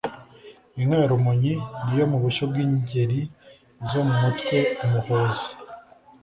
Inka ya Rumonyi: Ni iyo mu bushyo bw’Ingeri zo mu mutwe “Umuhozi”